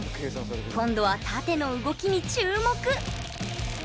今度は、縦の動きに注目。